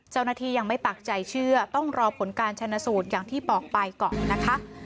เจ้าหน้าที่ยังไม่ปักใจเชื่อต้องรอผลการชนะสูตรอย่างที่บอกไปก่อนนะคะ